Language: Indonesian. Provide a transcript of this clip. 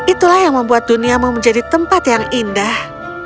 itulah yang membuat dunia mau menjadi tempat yang indah